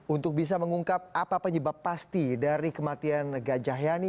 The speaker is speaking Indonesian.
untuk bisa mengungkap apa penyebab pasti dari kematian gajah yani